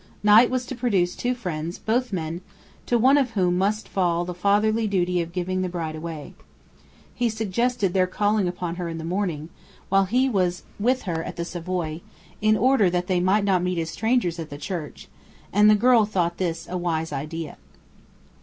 Knight was to produce two friends, both men, to one of whom must fall the fatherly duty of giving the bride away. He suggested their calling upon her in the morning, while he was with her at the Savoy, in order that they might not meet as strangers at the church, and the girl thought this a wise idea.